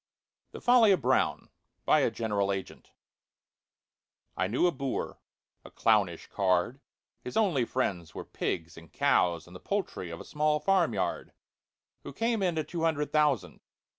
THE FOLLY OF BROWN BY A GENERAL AGENT I KNEW a boor—a clownish card (His only friends were pigs and cows and The poultry of a small farmyard), Who came into two hundred thousand.